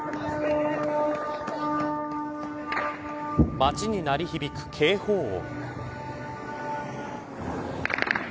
街に鳴り響く警報音。